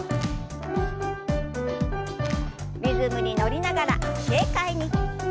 リズムに乗りながら軽快に。